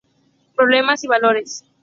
Problemas y valores".